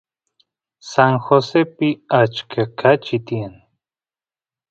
San Josepi achka kachi tiyan